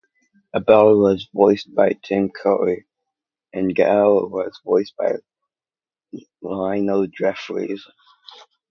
Abel was voiced by Tim Curry, and Gower was voiced by Lionel Jeffries.